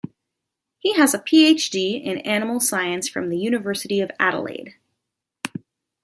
He has a PhD in Animal science from the University of Adelaide.